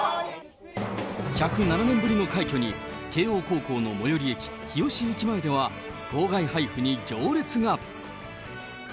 １０７年ぶりの快挙に、慶応高校の最寄り駅、日吉駅前では、号外配布に行列が。